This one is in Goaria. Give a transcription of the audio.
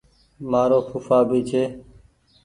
مآرو ڦوڦآ بي ڇي۔